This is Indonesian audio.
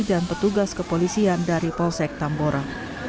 dan petugas kepolisian dari polsek tambora